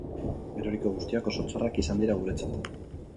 Eroriko guztiak oso txarrak izan dira guretzat.